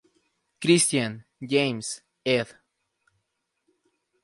Christian, James, ed.